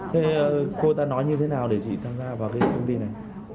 thế cô ta nói như thế nào để chị tham gia vào công ty này